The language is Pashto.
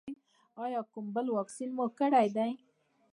ایا کوم بل واکسین مو کړی دی؟